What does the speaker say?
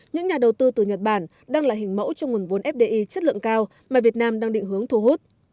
những nhà đầu tư từ nhật bản đang là hình mẫu cho nguồn vốn fdi chất lượng cao mà việt nam đang định hướng thu hút